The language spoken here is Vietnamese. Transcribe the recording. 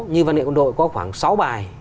như văn nghệ quân đội có khoảng sáu bài